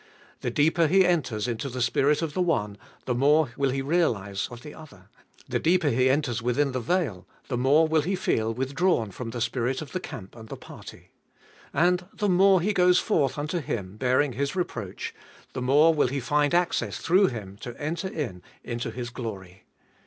The deeper he enters into the spirit of the one, the more will he realise of the other. The deeper he enters within the veil, the more will he feel with drawn from the spirit of the camp and the party. And the more he goes forth unto Him, bearing His reproach, the more will he find access through Him to enter in into His glory.